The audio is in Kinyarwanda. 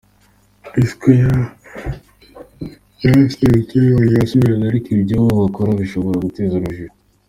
P Square yarasentutse irongera irasubirana ariko ibyo bakora bishobora guteza urujijo.